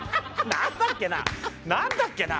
何だっけな何だっけな。